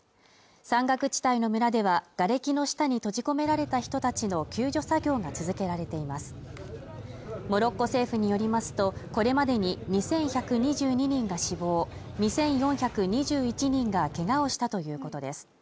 山岳地帯の村ではがれきの下に閉じ込められた人たちの救助作業が続けられていますモロッコ政府によりますとこれまでに２１２２人が死亡２４２１人がけがをしたということです